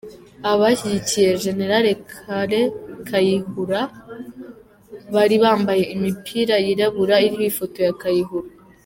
Abashyigikiye Gen Kale Kayihura bari bambaye imipira yirabura iriho ifoto ya Kayihura.